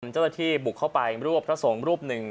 เจ้าขนาดที่บุกเข้าไปรวบท้าทรงรูปหนึ่ง